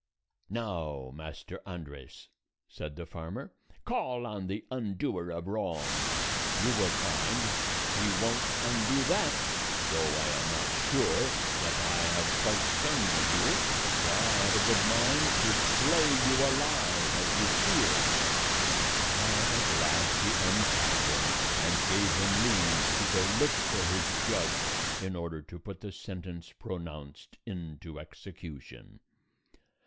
[Illustration: CERVANTES] "Now, Master Andres," said the farmer, "call on the undoer of wrongs; you will find he won't undo that, though I am not sure that I have quite done with you, for I have a good mind to flay you alive as you feared." But at last he untied him, and gave him leave to go look for his judge in order to put the sentence pronounced into execution.